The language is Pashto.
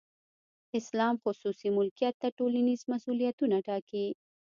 اسلام خصوصي ملکیت ته ټولنیز مسولیتونه ټاکي.